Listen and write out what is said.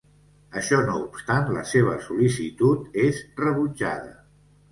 Això no obstant, la seva sol·licitud és rebutjada.